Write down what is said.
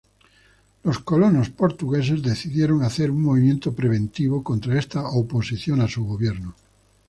Los colonos portugueses decidieron hacer un movimiento preventivo contra esta oposición a su gobierno.